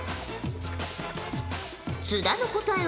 津田の答えは。